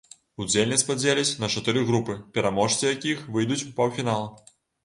Удзельніц падзеляць на чатыры групы, пераможцы якіх выйдуць у паўфінал.